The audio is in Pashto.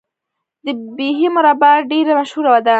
د بیحي مربا ډیره مشهوره ده.